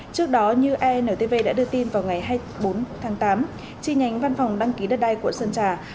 trước đó như antv đã đưa tin vào ngày hai mươi bốn tháng tám chi nhánh văn phòng đăng ký đất đai quận sơn trà